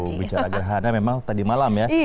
oh bicara gerhana memang tadi malam ya